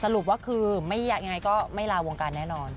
สรุปว่าคือยังไงก็ไม่ลาวงการแน่นอน